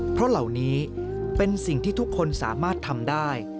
เพราะเหล่านี้เป็นสิ่งที่ทุกคนสามารถทำได้